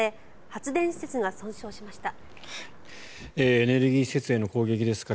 発電施設が損傷しました。